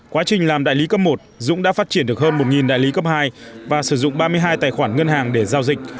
quá trình làm đại lý cấp một dũng đã phát triển được hơn một đại lý cấp hai và sử dụng ba mươi hai tài khoản ngân hàng để giao dịch